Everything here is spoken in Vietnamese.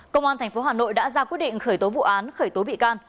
công an tp hà nội đã ra quyết định khởi tố vụ án khởi tố bị can